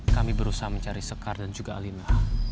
kami berusaha mencari sekar dan juga alina